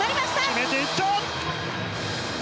決めていった！